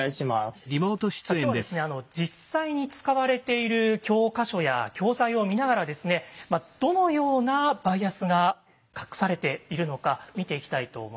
今日は実際に使われている教科書や教材を見ながらですねどのようなバイアスが隠されているのか見ていきたいと思います。